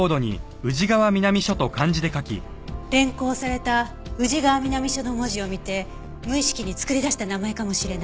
連行された宇治川南署の文字を見て無意識に作り出した名前かもしれない。